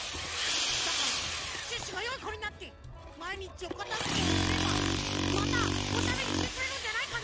だからシュッシュがよいこになってまいにちおかたづけをすればまたおしゃべりしてくれるんじゃないかな？